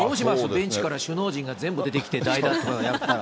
ベンチから首脳陣が全部出てきて、代打やったら。